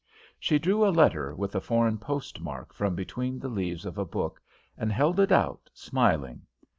She drew a letter with a foreign postmark from between the leaves of a book and held it out, smiling.